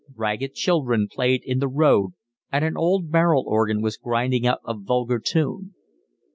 Ragged children played in the road, and an old barrel organ was grinding out a vulgar tune.